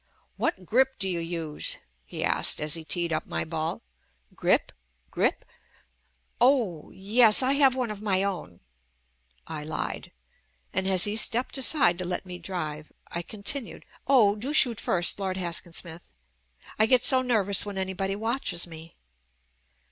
"What grip do you use," he asked as he teed up my ball. "Grip? Grip?" — "Oh! yes, I have one of my own," I lied; and as he stepped aside to let me drive, I continued, "Oh, do shoot first Lord Haskin Smith — I get so nervous when anybody watches me."